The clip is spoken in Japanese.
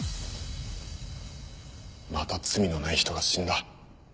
また罪のない人が死んだ。